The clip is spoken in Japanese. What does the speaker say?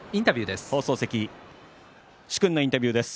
殊勲のインタビューです。